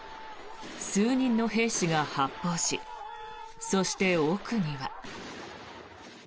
数人の兵士が発砲しそして、奥には。